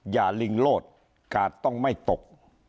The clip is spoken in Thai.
อย่าลิงโลศกาตต้องไม่ตก